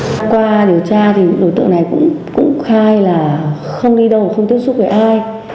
đa qua điều tra thì nội tượng này cũng khai là không đi đâu không tiếp xúc với ai